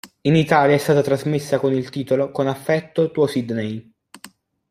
In Italia è stata trasmessa con il titolo "Con affetto, tuo Sidney".